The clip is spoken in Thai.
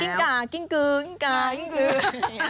เขาบอกว่าให้ฝึกกิ้งกากิ้งกื้งกิ้งกี้กื้ง